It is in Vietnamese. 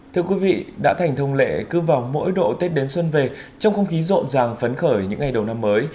thưa quý vị đã thành thông lệ cứ vào mỗi độ tết đến xuân về trong không khí rộn ràng phấn khởi những ngày đầu năm mới